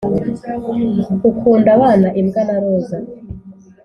ukunda abana, imbwa na roza.